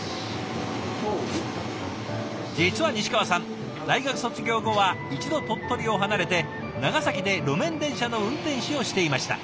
実は西川さん大学卒業後は一度鳥取を離れて長崎で路面電車の運転士をしていました。